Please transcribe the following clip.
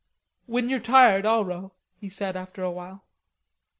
"When you're tired, I'll row," he said after a while.